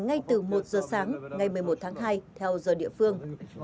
ngay từ một giờ sáng ngày một mươi một tháng hai theo giờ địa phương